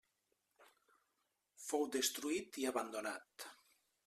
Fou destruït i abandonat.